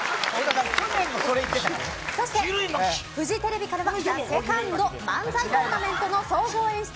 そして、フジテレビからはＴＨＥＳＥＣＯＮＤ漫才トーナメントの総合演出